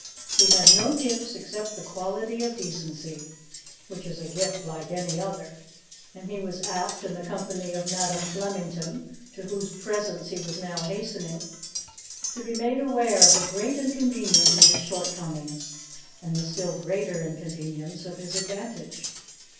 He had no gifts except the quality of decency, which is a gift like any other; and he was apt, in the company of Madam Flemington, to whose presence he was now hastening, to be made aware of the great inconvenience of his shortcomings, and the still greater inconvenience of his advantage.